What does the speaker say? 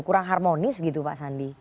kurang harmonis gitu pak sandi